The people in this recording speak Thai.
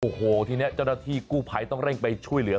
โอ้โหที่นี้จตนที่กู่ไพต้องเร่งไปช่วยเหลือ